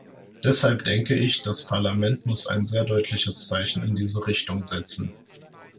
Deshalb denke ich, das Parlament muss ein sehr deutliches Zeichen in diese Richtung setzen.